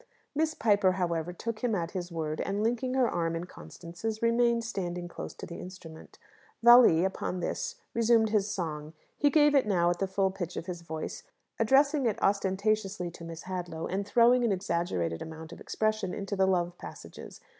Miss Piper, however, took him at his word, and, linking her arm in Constance's, remained standing close to the instrument. Valli, upon this, resumed his song. He gave it now at the full pitch of his voice, addressing it ostentatiously to Miss Hadlow, and throwing an exaggerated amount of expression into the love passages.